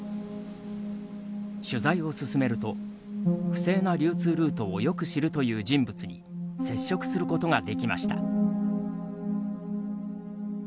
取材を進めると不正な流通ルートをよく知るという人物に接触することができました。